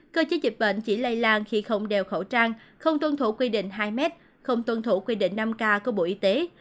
cơ chế dịch bệnh chỉ lây lan khi không đeo khẩu trang không tuân thủ quy định hai mét không tuân thủ quy định năm k của bộ y tế